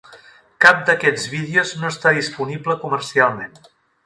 Cap d'aquests vídeos no està disponible comercialment.